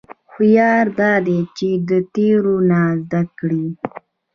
هوښیاري دا ده چې د تېرو نه زده کړې.